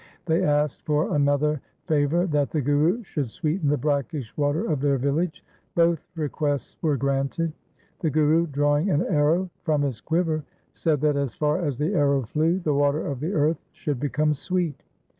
They asked for another favour, that the Guru should sweeten the brackish water of their village. Both requests were granted. The Guru, drawing an arrow from his quiver, said that, as far as the arrow flew, the water of the earth should become sweet.